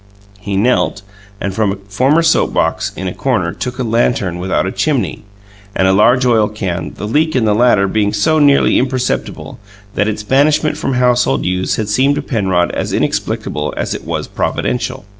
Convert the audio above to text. He knelt, and from a former soap box, in a corner, took a lantern, without a chimney, and a large oil can, the leak in the latter being so nearly imperceptible that its banishment from household use had seemed to Penrod as inexplicable as it was providential.